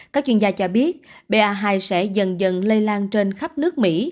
các chuyên gia cho biết ba hai sẽ dần dần lây lan trên khắp nước mỹ